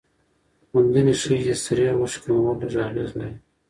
موندنې ښيي چې د سرې غوښې کمول لږ اغېز لري.